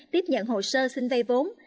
tiếp nhận hồ sơ xin vây vốn